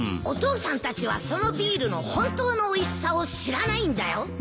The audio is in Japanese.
お父さんたちはそのビールの本当のおいしさを知らないんだよ